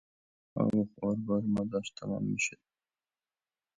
آب و خواربار ما داشت تمام میشد.